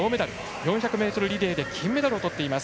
４００ｍリレーで金メダルをとっています。